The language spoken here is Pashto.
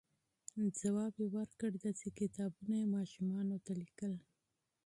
ځواب یې ورکړ، داسې کتابونه یې ماشومانو ته لیکل،